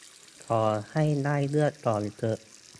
ขอให้ได้เลือกก่อนเถอะ